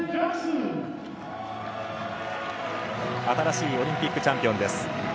新しいオリンピックチャンピオンです。